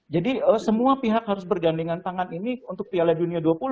jadi semua pihak harus bergandingan tangan ini untuk piala dunia u dua puluh